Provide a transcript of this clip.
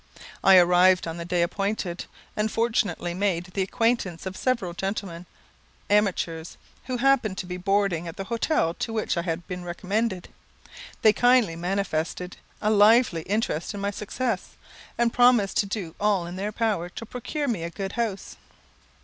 I arrived on the day appointed, and fortunately made the acquaintance of several gentlemen amateurs, who happened to be boarding at the hotel to which I had been recommended. They kindly manifested a lively interest in my success, and promised to do all in their power to procure me a good house.